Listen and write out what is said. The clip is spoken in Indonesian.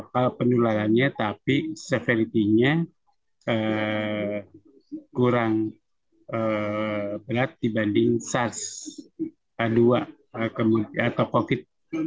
kalau penularannya tapi severity nya kurang berat dibanding sars a dua atau covid sembilan belas